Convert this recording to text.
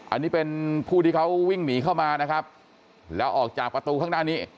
อันนี้เป็นผู้ที่เขาวิ่งหนีเข้ามานะครับแล้วออกจากประตูข้างหน้านี้